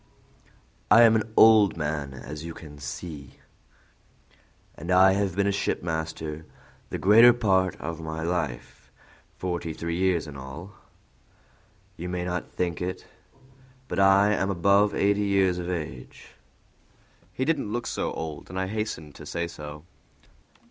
"I am an old man, as you can see," he continued, "and I have been a shipmaster the greater part of my life, forty three years in all. You may not think it, but I am above eighty years of age." He did not look so old, and I hastened to say so.